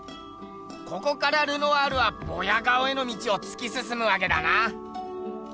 ここからルノワールはボヤ顔への道をつきすすむわけだな。